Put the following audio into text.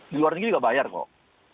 di luar negeri juga bayar kok